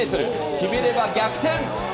決めれば逆転。